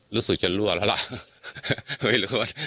รู้สึกจะรั่วแล้วล่ะ